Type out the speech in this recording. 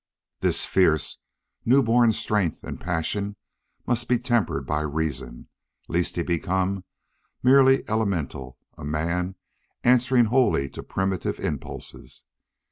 This fierce, newborn strength and passion must be tempered by reason, lest he become merely elemental, a man answering wholly to primitive impulses.